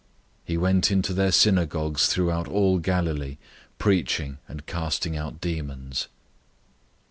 001:039 He went into their synagogues throughout all Galilee, preaching and casting out demons.